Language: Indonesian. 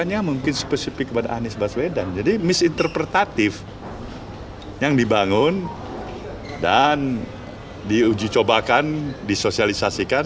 yang dibangun dan diuji cobakan disosialisasikan